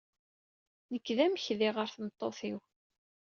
Nekk d amekdi ɣer tmeṭṭut-iw.